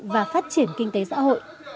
và phát triển kinh tế xã hội